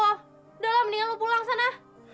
udah lah mendingan lo pulang sana